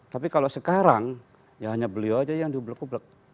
tapi kalau sekarang ya hanya beliau aja yang diubek ublek